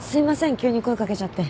急に声かけちゃって。